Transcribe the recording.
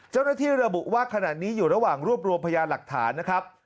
เจ้าหน้าที่ระบุว่าขณะนี้อยู่ระหว่างรวบรวมพยานหลักฐานนะครับ